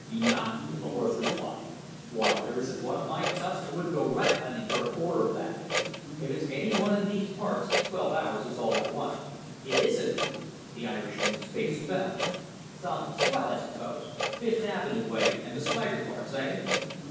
"Enough?" was the hoarse reply. "Why, there isn't one of my toughs that wouldn't go rat hunting for a quarter of that. If it's any one in these parts, twelve hours is all I want." "It isn't!" The Irishman's face fell. "Some swell, I suppose? Fifth Avenue way and the swagger parts, eh?"